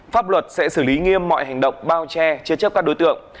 pháp luật sẽ xử lý nghiêm mọi hành động bao che chế chấp các đối tượng